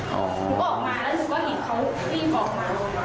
อ๋อหนูก็ออกมาแล้วหนูก็เห็นเขาวิ่งออกมา